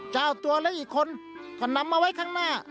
เจ้าตัวและอีกคนก็นำมาไว้ข้างหน้า